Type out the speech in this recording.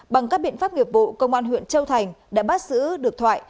bằng các biện pháp nghiệp vụ công an huyện châu thành đã bắt giữ được thoại